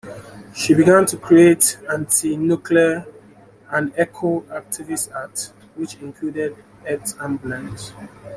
She began to create anti-nuclear and eco-activist art, which included "Earth Ambulance".